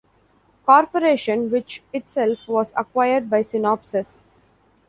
Corporation, which itself was acquired by Synopsys.